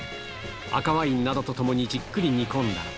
赤ワインなどとともにじっくり煮込んだ。